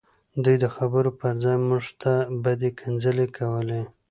دوی د خبرو پرځای موږ ته بدې کنځلې کولې